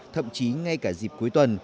thậm chí ngay cả dịp cuối tuần